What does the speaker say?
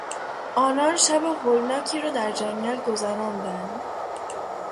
آنان شب هولناکی را در جنگل گذراندند.